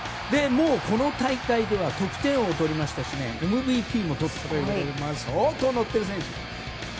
この大会では得点王をとりましたしＭＶＰもとっている相当乗っている選手。